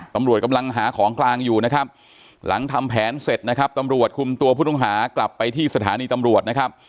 ตำรวจกำลังหาของกลางอยู่นะครับหลังทำแผนเสร็จนะครับตำรวจคุมตัวผู้ต้องหากลับไปที่สถานีตำรวจนะครับ